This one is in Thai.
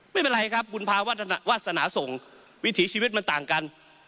ไม่เป็นไรครับบุญภาวาสนาส่งวิถีชีวิตมันต่างกัน